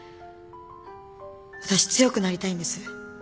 私強くなりたいんです。